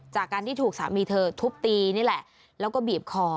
จากการที่ถูกสามีเธอทุบตีนี่แหละแล้วก็บีบคอ